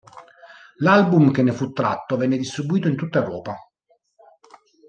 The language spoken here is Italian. L'album che ne fu tratto venne distribuito in tutta Europa.